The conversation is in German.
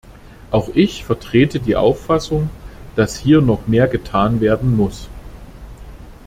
Auch ich vertrete die Auffassung, dass hier noch mehr getan werden muss.